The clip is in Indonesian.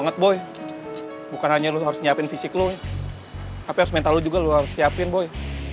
terus mental lo juga lo harus siapin boy